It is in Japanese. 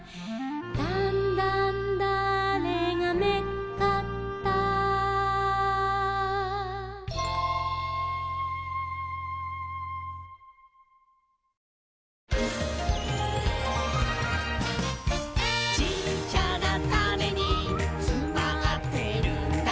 「だんだんだあれがめっかった」「ちっちゃなタネにつまってるんだ」